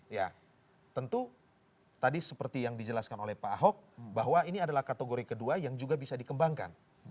ya tentu tadi seperti yang dijelaskan oleh pak ahok bahwa ini adalah kategori kedua yang juga bisa dikembangkan